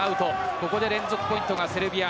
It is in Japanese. ここで連続ポイントがセルビア。